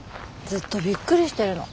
ずっとびっくりしてるの。